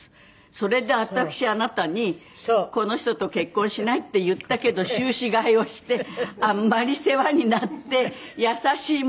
それで私あなたに「この人と結婚しない」って言ったけど宗旨変えをしてあんまり世話になって優しいもんですから。